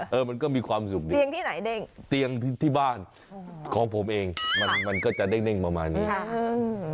เออมันก็มีความสุขดีปีเตียงที่บ้านของผมเองมันก็จะเด้งประมาณนี้